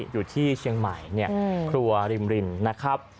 อยู่ที่เชียงใหม่ครัวริมรินนะครับ